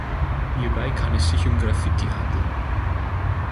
Hierbei kann es sich um Graffiti handeln.